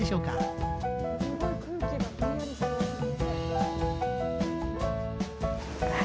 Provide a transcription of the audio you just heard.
すごい空気がひんやりしてますね。